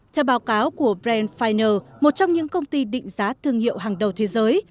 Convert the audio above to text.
theo báo cáo của brandfiner một trong những công ty định giá thương hiệu hàng đầu thế giới